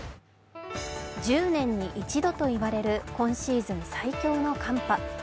１０年に一度といわれる今シーズン最強の寒波。